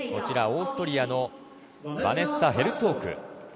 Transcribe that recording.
オーストリアのバネッサ・ヘルツォーク。